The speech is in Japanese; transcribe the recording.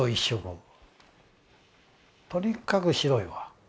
とにかく白いわ。